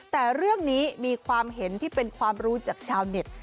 แต่เรื่องนี้มีความเห็นที่เป็นความรู้จากชาวเน็ต